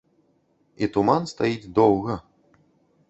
І туман стаіць доўга!